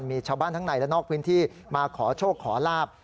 มีชาวบ้านทั้งในและนอกพื้นที่มาขอโชคขอลาบ